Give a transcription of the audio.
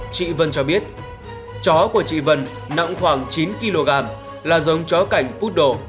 chị vân cho biết chó của chị vân nặng khoảng chín kg là giống chó cảnh út đổ